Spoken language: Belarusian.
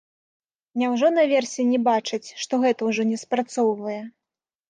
Няўжо наверсе не бачаць, што гэта ўжо не спрацоўвае?